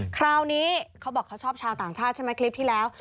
คราวนี้เขาบอกเขาชอบชาวต่างชาติใช่ไหมคลิปที่แล้ว